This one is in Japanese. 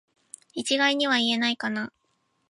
一概には言えないかな